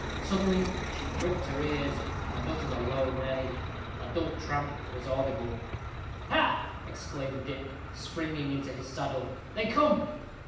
Suddenly she pricked her ears, and uttered a low neigh. A dull tramp was audible. "Ha!" exclaimed Dick, springing into his saddle; "they come."